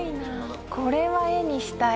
これは絵にしたい。